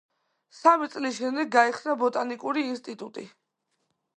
სამი წლის შემდეგ გაიხსნა ბოტანიკური ინსტიტუტი.